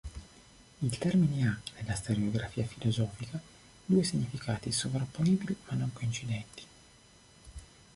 Il termine ha nella storiografia filosofica due significati sovrapponibili ma non coincidenti.